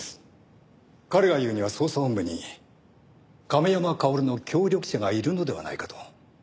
彼が言うには捜査本部に亀山薫の協力者がいるのではないかと。